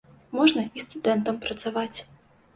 Можна і студэнтам працаваць.